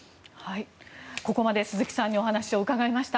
ここまで鈴木さんにお話を伺いました。